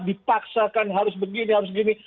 dipaksakan harus begini harus gini